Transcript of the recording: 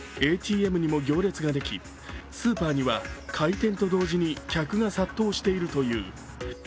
ＡＴＭにも行列ができスーパーには開店と同時に客が殺到しているという。